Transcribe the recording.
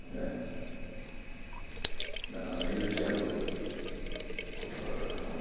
なかなか勇気あることだったと思いますけどもね。